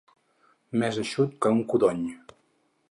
Més eixut que un codony.